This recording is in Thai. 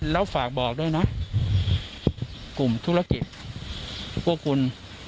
แล้วฝากบอกด้วยนะกลุ่มธุรกิจพวกคุณ